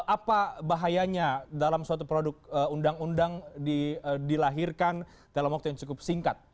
apa bahayanya dalam suatu produk undang undang dilahirkan dalam waktu yang cukup singkat